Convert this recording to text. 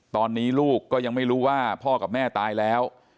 ตอนนี้ลูกก็ยังไม่รู้ว่าพ่อกับแม่ตายแล้ว